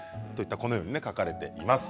このように書かれています。